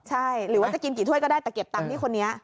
ใช่หรือว่าจะกินกี่ถ้วยก็ได้แต่เก็บตังค์ที่คนนี้